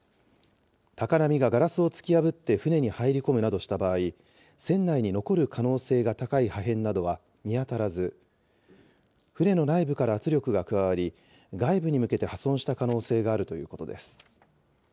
高波がガラスを突き破って、船に入り込むなどした場合、船内に残る可能性が高い破片などは見当たらず、船の内部から圧力が加わり、外部に向けて破損した可能性があるということです。